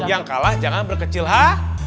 yang kalah jangan berkecil ha